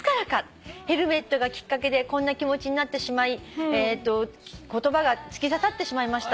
「ヘルメットがきっかけでこんな気持ちになってしまい言葉が突き刺さってしまいました」